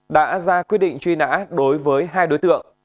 đã ra quyết định truy nã đối với hai đối tượng